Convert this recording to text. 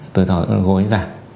tuổi thọ của gối nó giảm